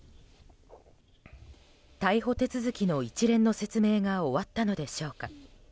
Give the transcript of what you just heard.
逮捕手続きの一連の説明が終わったのでしょうか。